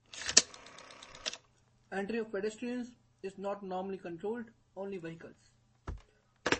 Entry of pedestrians is not normally controlled, only vehicles.